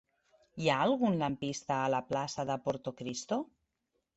Hi ha algun lampista a la plaça de Portocristo?